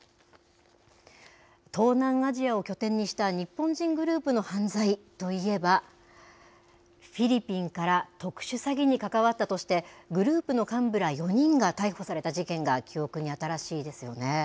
東南アジアを拠点にした日本人グループの犯罪といえば、フィリピンから特殊詐欺に関わったとして、グループの幹部ら４人が逮捕された事件が、記憶に新しいですよね。